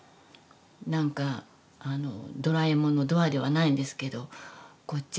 何かドラえもんのドアではないんですけどこっち